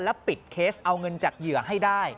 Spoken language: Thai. ปิดเคสเอาเงินจากเหยื่อให้ได้